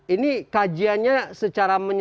ini kajiannya secara menyeluruhnya